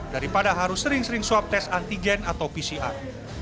daripada harus sering sering swab tes antigen atau pcr